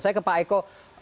saya ke pak eko